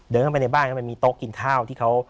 เข้าไปในบ้านก็มันมีโต๊ะกินข้าวที่เขา